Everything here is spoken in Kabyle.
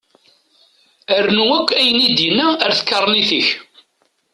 Rnu akk ayen i d-yenna ar tkaṛnit-ik.